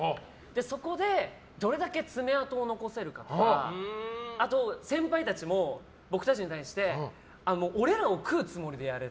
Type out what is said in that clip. そこでどれだけ爪痕を残せるかとかあと先輩たちも僕たちに対してかっけー。